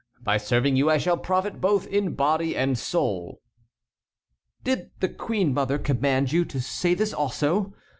By serving you I shall profit both in body and soul." "Did the queen mother command you to say this also?"